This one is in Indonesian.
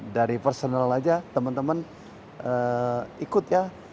dari personal aja temen temen ikut ya